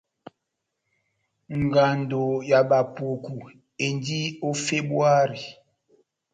Ngando ya Bapuku endi ó Febuari.